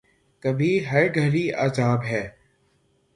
کبھی ہر گھڑی عذاب ہے